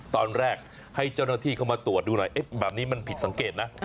ตอนแรกให้เจ้าหน้าที่เข้ามาตรวจดูหน่อยแบบนี้มันผิดสังเกตนะ